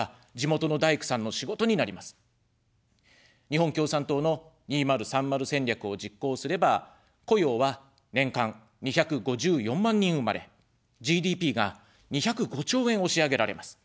「日本共産党の２０３０戦略」を実行すれば、雇用は年間２５４万人生まれ、ＧＤＰが２０５兆円押し上げられます。